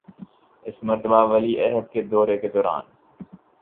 اس مرتبہ ولی عہد کے دورہ کے دوران